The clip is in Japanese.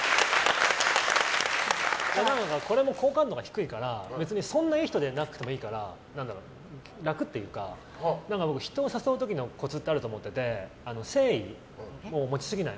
これも好感度が低いから別にそんなにいい人じゃなくてもいいから楽っていうか、人を誘う時のコツってあると思ってて誠意を持ちすぎない